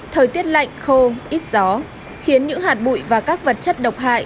thời tiết lạnh khô ít gió khiến những hạt bụi và các vật chất độc hại